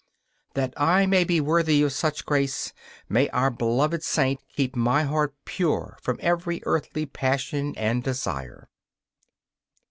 That I may be worthy of such grace, may our beloved Saint keep my heart pure from every earthly passion and desire!